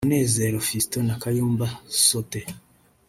Munezero Fiston na Kayumba Soter